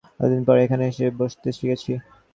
এতদিন পরে এখানে এসে তবে বসতে শিখেছি।